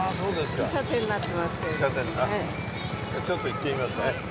ちょっと行ってみますね。